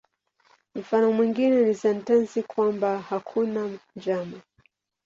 Mfano mwingine ni sentensi kwamba "hakuna njama".